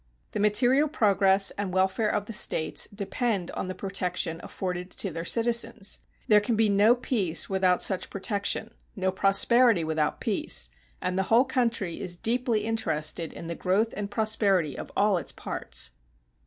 The material progress and welfare of the States depend on the protection afforded to their citizens. There can be no peace without such protection, no prosperity without peace, and the whole country is deeply interested in the growth and prosperity of all its parts.